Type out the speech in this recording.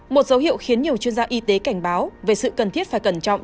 một dấu hiệu khiến nhiều chuyên gia y tế cảnh báo về sự cần thiết phải cẩn trọng